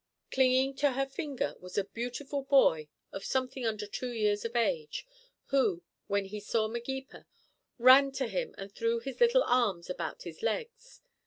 Clinging to her finger was a beautiful boy of something under two years of age, who, when he saw Magepa, ran to him and threw his little arms about his legs.